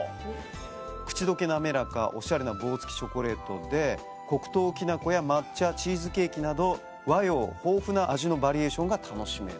口溶け滑らかおしゃれな棒付きチョコレートで黒糖きなこや抹茶チーズケーキなど和洋豊富な味のバリエーションが楽しめる。